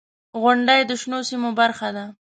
• غونډۍ د شنو سیمو برخه ده.